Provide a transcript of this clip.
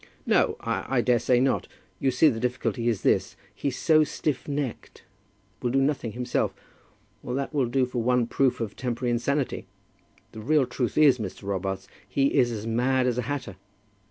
"No; I daresay not. You see the difficulty is this. He's so stiff necked, will do nothing himself. Well, that will do for one proof of temporary insanity. The real truth is, Mr. Robarts, he is as mad as a hatter."